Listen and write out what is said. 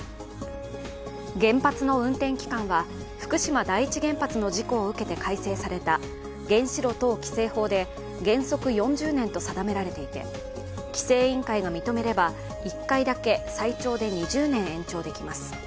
原発の運転期間は福島第一原発事故を受けて改正された原子炉等規制法で原則４０年と定められていて、規制委員会が認めれば１回だけ、最長で２０年延長できます。